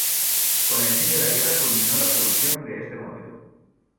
Con el fin de la guerra culminó la producción de este modelo.